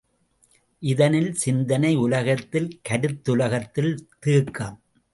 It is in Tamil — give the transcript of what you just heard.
இதனில் சிந்தனை உலகத்தில் கருத்துலகத்தில் தேக்கம்!